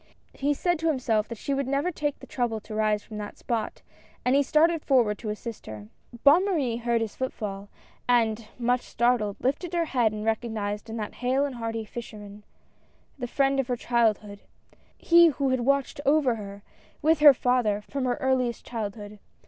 He said to himself that she would never take the trouble to rise from that spot, and he started forward to assist her. Bonne Marie heard his footfall, and, much startled, lifted her head and recognized in that hale and hearty fisherman, the friend of her childhood, he who had watched over her, with her father, from her earliest childhood.